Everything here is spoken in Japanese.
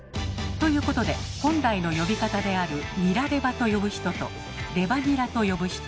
ということで本来の呼び方である「ニラレバ」と呼ぶ人と「レバニラ」と呼ぶ人